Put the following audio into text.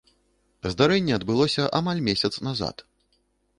Здарэнне адбылося амаль месяц назад.